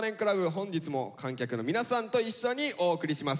本日も観客の皆さんと一緒にお送りします。